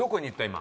今。